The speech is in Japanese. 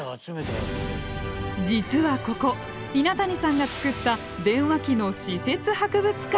実はここ稲谷さんが作った電話機の私設博物館。